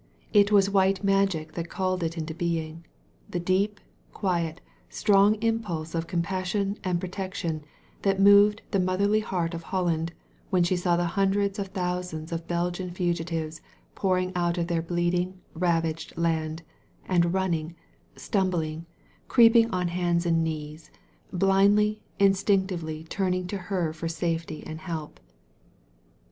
It was white magic that called it into being — the deep, quiet, strong impulse of compassion and pro tection that moved the motherly heart of Holland when she saw the hundreds of thousands of Belgian fugitives pouring out of their bleeding, ravaged land, and running, stumbling, creeping on hands and knees, blindly, instinctively turning to her for safety and help.